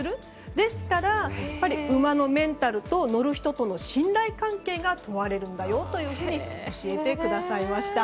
ですから、馬のメンタルと乗る人との信頼関係が問われるんだよというふうに教えてくださいました。